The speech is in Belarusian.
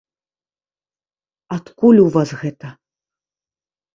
Адкуль у вас гэта?